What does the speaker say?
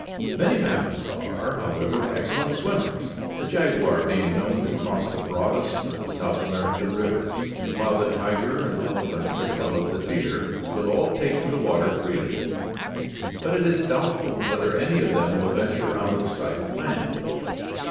Many mammals are, however, excellent swimmers, the jaguar being known to cross the broadest of the South American rivers, while the tiger and elephant, as well as the deer, will all take to the water freely; but it is doubtful whether any of them will venture out of sight of land.